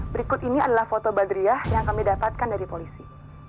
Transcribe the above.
berikut ini adalah foto badriah yang kami dapatkan dari polisi